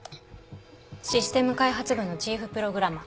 システム開発部のチーフプログラマー。